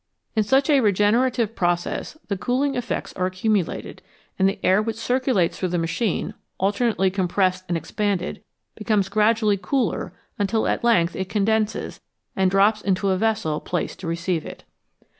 In such a regenerative process the cooling effects are accumulated, and the air which circulates through the machine, alter nately compressed and expanded, becomes gradually cooler until at length it condenses and drops into a vessel placed to receive it.